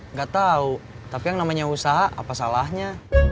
nggak tahu tapi yang namanya usaha apa salahnya